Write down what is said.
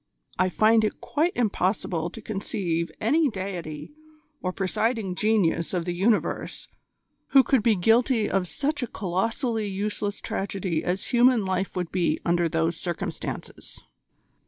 I find it quite impossible to conceive any deity or presiding genius of the universe who could be guilty of such a colossally useless tragedy as human life would be under those circumstances."